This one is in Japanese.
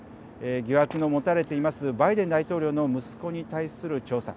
疑惑のもたれていますバイデン大統領の息子に対する調査。